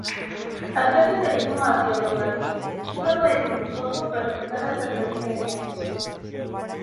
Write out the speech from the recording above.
Hacer senderismo hacia el Longaví es algo dificultoso pero de claras gratificaciones.